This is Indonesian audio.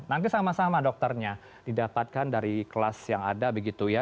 nanti sama sama dokternya didapatkan dari kelas yang ada begitu ya